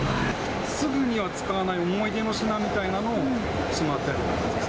すぐには使わない思い出の品みたいなのをしまってあります。